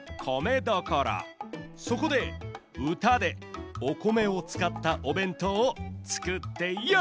そこでうたでお米をつかった「おべんとう」をつくってヨー！